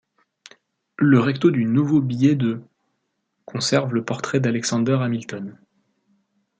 Le recto du nouveau billet de conserve le portrait d’Alexander Hamilton.